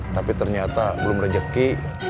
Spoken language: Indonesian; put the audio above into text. tapi ternyata belum rejeki